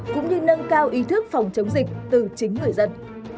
cũng như nâng cao ý thức phòng chống dịch từ chính người dân